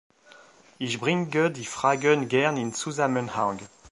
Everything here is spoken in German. Ich bringe die Fragen gern in Zusammenhang.